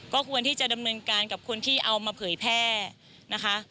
ก็ควรที่จะดำเนินการกับคนที่เอามาเผยแพร่นะคะ